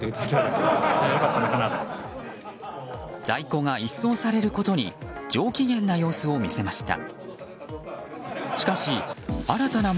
在庫が一掃されることに上機嫌な様子を見せました。